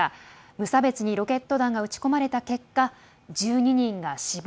無差別にロケット弾が撃ち込まれた結果１２人が死亡。